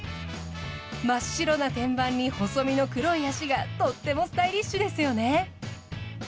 真っ白な天板に細身の黒い脚がとってもスタイリッシュですよね。